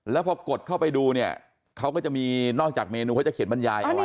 แล้วพอกดเข้าไปดูเนี่ยเขาก็จะมีนอกจากเมนูเขาจะเขียนบรรยายเอาไว้